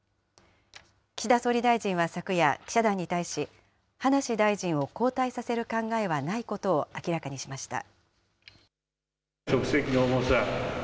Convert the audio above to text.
岸田総理大臣は昨夜、記者団に対し、葉梨大臣を交代させる考えはないことを明らかにしました。